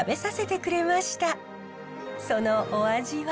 そのお味は？